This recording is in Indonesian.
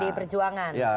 dari pdi perjuangan